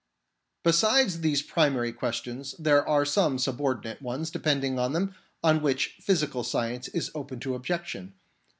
Besides these primary ques tions, there are some subordinate ones depending on them, on which physical science is open to objection.